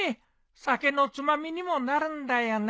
酒のつまみにもなるんだよなあ。